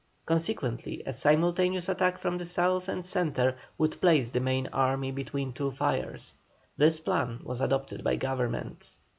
Consequently, a simultaneous attack from the South and Centre would place the main army between two fires. This plan was adopted by Government.